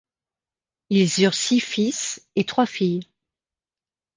Ils eurent six fils et trois filles.